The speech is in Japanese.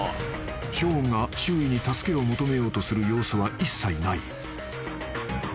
［ショーンが周囲に助けを求めようとする様子は一切ない］